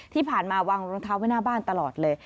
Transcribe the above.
ที่ผ่านมาวางรองเท้าไว้หน้าบ้านตลอดเลย